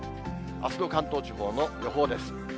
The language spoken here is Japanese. あすの関東地方の予報です。